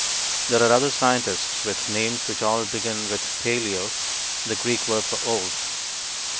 There are other scientists with names which all begin with "paleo" (the Greek word for "old").